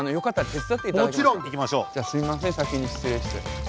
すいません先に失礼して。